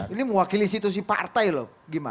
ini mewakili institusi partai loh gimana